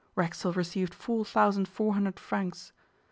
Racksole received four thousand four hundred francs.